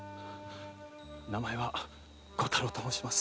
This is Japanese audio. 名前は小太郎と申します。